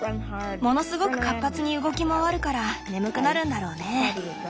ものすごく活発に動き回るから眠くなるんだろうね。